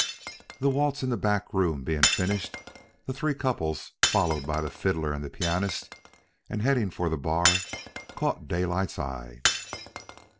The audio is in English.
The waltz in the back room being finished, the three couples, followed by the fiddler and the pianist and heading for the bar, caught Daylight's eye.